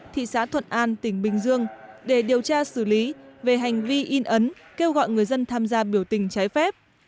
thị xã thuận an tỉnh bình dương để điều tra xử lý về hành vi in ấn kêu gọi người dân tham gia biểu tình trái phép